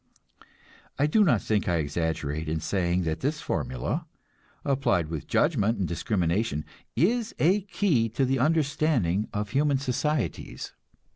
I do not think I exaggerate in saying that this formula, applied with judgment and discrimination, is a key to the understanding of human societies.